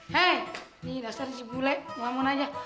hei ini dasar si bule ngomong ngomong aja